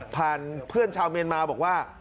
เพื่อนชาวเมียนมาบอกว่า